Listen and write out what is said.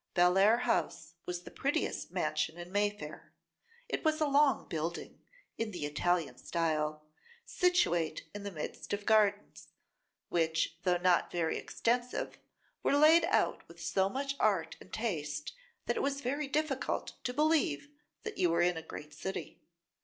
Bellair House was the prettiest mansion in May Fair. It was a long building, in the Italian style, situate in the midst of gardens, which, though not very extensive, were laid out with so much art and taste, that it was very difficult to believe that you were in a great city.